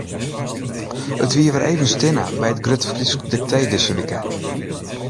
It wie wer even stinne by it Grut Frysk Diktee dizze wike.